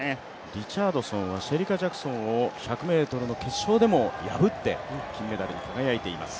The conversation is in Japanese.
リチャードソンはシェリカ・ジャクソンを１００ｍの決勝でも破って金メダルに輝いています。